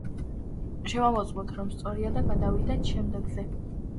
შევამოწმოთ, რომ სწორია და გადავიდეთ შემდეგზე.